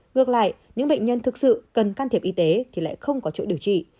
ngược lại những bệnh nhân thực sự cần can thiệp y tế thì lại không có chỗ điều trị